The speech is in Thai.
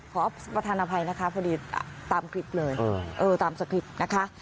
ขอพฤษฐานภัยนะคะเพราะดีตามคลิปเลยเออเออตามสภิกษ์นะคะ